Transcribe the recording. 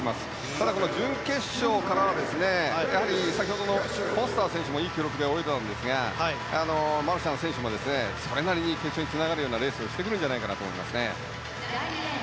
ただ、準決勝からは先程のフォスター選手もいい記録で泳いでいたんですがマルシャン選手もそれなりに決勝につながるレースをしてくると思いますね。